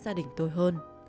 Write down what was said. gia đình tôi hơn